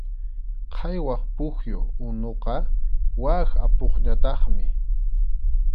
Qhaywaq pukyu unuqa wak apupñataqmi.